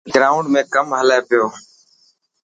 گرائونڊ ۾ ڪم هلي پيو.